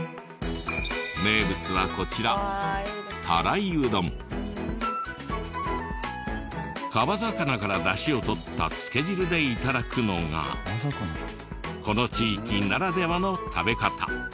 名物はこちら川魚からダシを取ったつけ汁で頂くのがこの地域ならではの食べ方。